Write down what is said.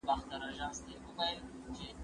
زه هره ورځ مړۍ خورم،